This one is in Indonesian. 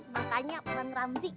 makanya peran ramzi